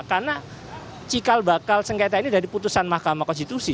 karena cikal bakal sengketa ini dari putusan mahkamah konstitusi